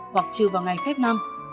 hoặc trừ vào ngày phép năm